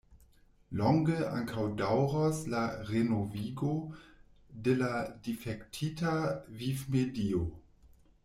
Longe ankaŭ daŭros la renovigo de la difektita vivmedio.